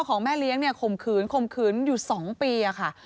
พ่อของแม่เลี้ยงเนี่ยคมขืนคมขืนอยู่๒ปีอะค่ะ